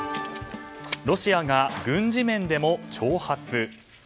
ロシアが軍事面でも挑発。